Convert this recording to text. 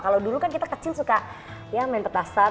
kalau dulu kan kita kecil suka main petasan